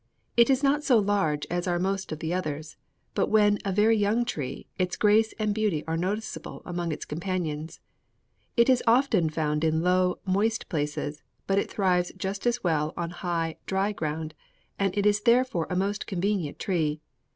It is not so large as are most of the others; but when a very young tree, its grace and beauty are noticeable among its companions. It is often found in low, moist places, but it thrives just as well in high, dry ground; and it is therefore a most convenient tree.